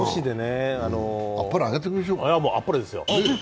もうあっぱれですよ。